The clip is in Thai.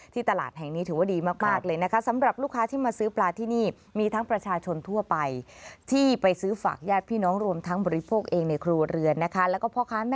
ที่ตลาดแห่งนี้ถือว่าดีมากเลยนะคะ